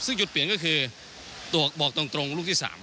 ซึ่งจุดเปลี่ยนก็คือบอกตรงลูกที่๓